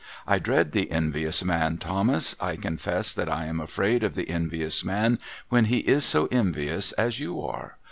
I dread the envious man, Thomas. I confess that I am afraid of the envious man, when he is so envious as you are.